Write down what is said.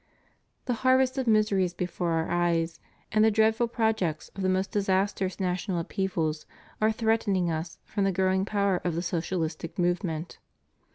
The harvest of misery is before Our eyes, and the dreadful projects of the most disastrous national upheavals are threatening Us from the growing power of the socialistic movement.